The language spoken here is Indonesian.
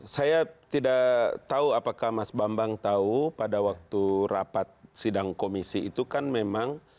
saya tidak tahu apakah mas bambang tahu pada waktu rapat sidang komisi itu kan memang